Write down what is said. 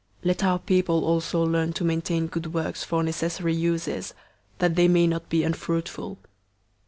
003:014 Let our people also learn to maintain good works for necessary uses, that they may not be unfruitful.